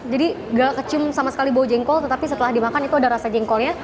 jadi tidak tercium sama sekali bau jengkol tetapi setelah dimakan itu ada rasa jengkolnya